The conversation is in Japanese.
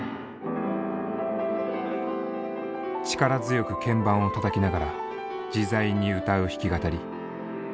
力強く鍵盤をたたきながら自在に歌う弾き語り。